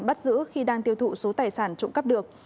bắt giữ khi đang tiêu thụ số tài sản trộm cắp được